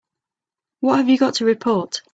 What have you got to report?